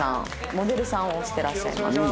モデルさんをしてらっしゃいます。